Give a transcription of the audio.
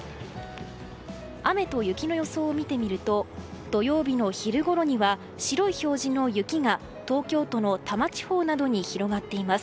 雨と雪の予想を見てみると土曜日の昼ごろには白い表示の雪が東京の多摩地方などに広がっています。